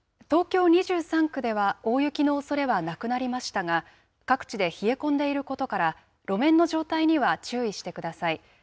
東京２３区では大雪のおそれはなくなりましたが、各地で冷え込んでいることから、路面の状態には注意してください。